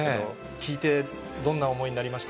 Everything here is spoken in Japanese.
聞いてどんな思いになりまし